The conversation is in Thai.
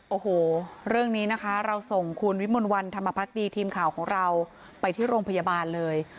โอ้โหเรื่องนี้นะคะเราส่งคุณวิมลวันธรรมพักดีทีมข่าวของเราไปที่โรงพยาบาลเลย